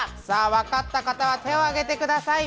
分かった方は手を挙げてください。